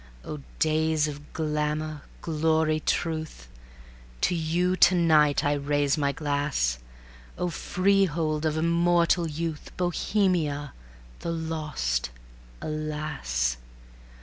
... O days of glamor, glory, truth, To you to night I raise my glass; O freehold of immortal youth, Bohemia, the lost, alas!